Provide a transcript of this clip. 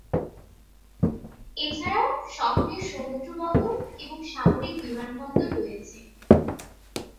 এছাড়াও শহরের সমুদ্রবন্দর এবং সামরিক বিমানবন্দর রয়েছে।